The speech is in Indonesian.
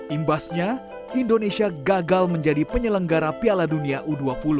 imbasnya indonesia gagal menjadi penyelenggara piala dunia u dua puluh